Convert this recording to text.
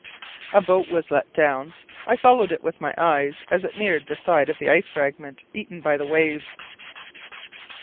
A boat was let down. I followed it with my eyes as it neared the side of the ice fragment eaten by the waves.